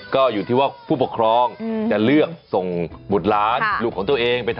ก็อยู่ที่ว่าผู้ปกครองจะเลือกส่งบุตรล้านลูกของตัวเองไปทำ